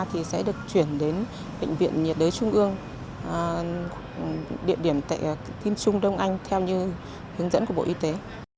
thì sẽ được chuyển đến bệnh viện nhiệt đới trung ương địa điểm tại kim trung đông anh theo như hướng dẫn của bộ y tế